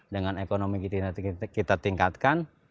dengan ekonomi kita tingkatkan